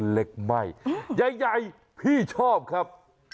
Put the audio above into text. เล็กไหม้ใหญ่พี่ชอบครับ